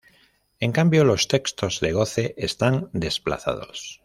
En cambio, los textos de goce están desplazados.